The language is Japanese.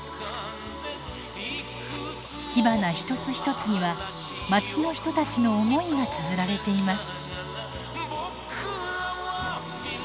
火花一つ一つにはまちの人たちの思いがつづられています。